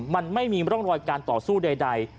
มันไม่มีร่องรอยการต่อสู้ใด